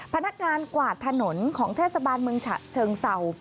พนักงานกวาดถนนของเทศบาลเมืองฉะเชิงเศร้า